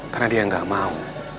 karena dia gak mau